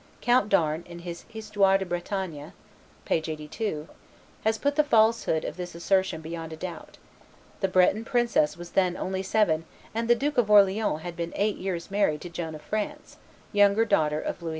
Count Darn, in his Histoire de Bretagne (t. iii. p. 82), has put the falsehood of this assertion beyond a doubt; the Breton princess was then only seven and the Duke of Orleans had been eight years married to Joan of France, younger daughter of Louis XI.